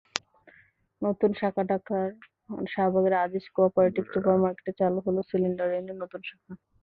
নতুন শাখাঢাকার শাহবাগের Aziz co-operative super মার্কেটে চালু হলো সিলভার রেইনের নতুন শাখা।